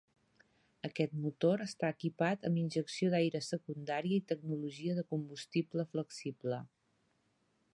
Aquest motor està equipat amb injecció d'aire secundària i tecnologia de combustible flexible.